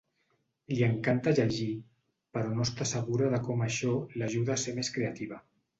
Li encanta llegir, però no està segura de com això l'ajuda a ser més creativa.